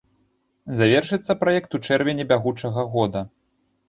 Завяршыцца праект у чэрвені бягучага года.